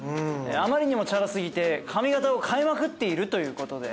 あまりにもチャラ過ぎて髪形を変えまくっているということで。